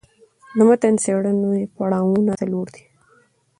د متن څېړني پړاوونه څلور دي.